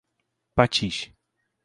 Patis